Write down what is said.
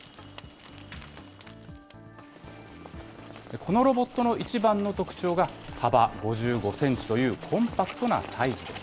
このロボットの一番の特徴が幅５５センチという、コンパクトなサイズです。